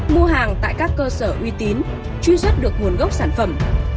mua hàng tại các cơ sở uy tín truy xuất được nguồn gốc sản phẩm